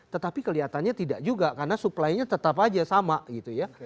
tetapi kelihatannya tidak juga karena supply nya tetap aja sama gitu ya